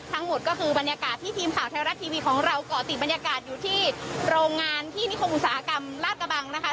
ทั้งหมดก็คือบรรยากาศที่ทีมข่าวไทยรัฐทีวีของเราก่อติดบรรยากาศอยู่ที่โรงงานที่นิคมอุตสาหกรรมลาดกระบังนะคะ